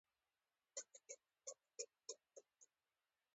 لېږ ادب او تربيه به دې ورته ښودلى وه.